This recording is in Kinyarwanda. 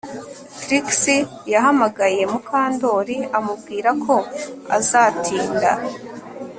Trix yahamagaye Mukandoli amubwira ko azatinda